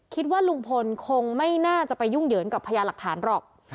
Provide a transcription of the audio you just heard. คิดว่าลุงพลคงไม่น่าจะไปยุ่งเหยิงกับพญาหลักฐานหรอก